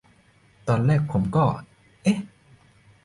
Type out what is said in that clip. ตอนแรกผมก็ "เอ๊ะ"